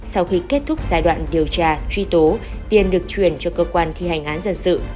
sau khi kết thúc giai đoạn điều tra truy tố tiền được chuyển cho cơ quan thi hành án dân sự